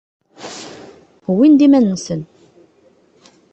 Wwin-d iman-nsen.